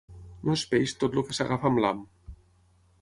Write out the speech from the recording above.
No és peix tot el que s'agafa amb l'ham.